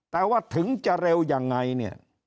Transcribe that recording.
แต่ว่าถึงจะเร็วอย่างไร